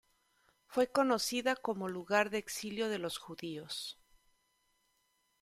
Fue conocida como lugar de exilio de los judíos.